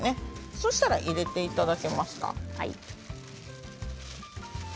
そしたら入れていただけますか。